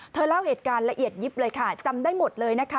เล่าเหตุการณ์ละเอียดยิบเลยค่ะจำได้หมดเลยนะคะ